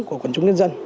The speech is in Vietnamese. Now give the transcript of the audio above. của quần chúng nhân dân